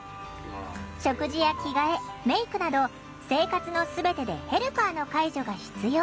食事や着替えメークなど生活の全てでヘルパーの介助が必要。